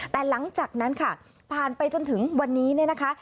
แต่หลังจากนั้นค่ะผ่านไปจนถึงวันนี้เนี่ยนะคะ